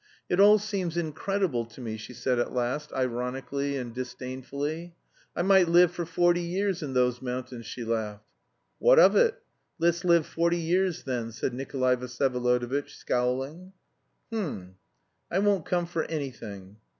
"It all seems incredible to me," she said at last, ironically and disdainfully. "I might live for forty years in those mountains," she laughed. "What of it? Let's live forty years then..." said Nikolay Vsyevolodovitch, scowling. "H'm! I won't come for anything."